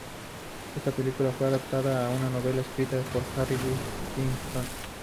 Esta película fue adaptada a una novela escrita por Harry Whittington.